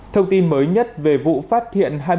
thông tin mới nhất về vụ phát hiện